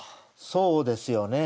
そうですよね。